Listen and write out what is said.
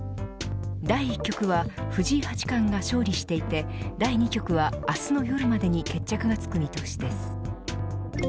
第１局は藤井八冠が勝利していて第２局は明日の夜までに決着がつく見通しです。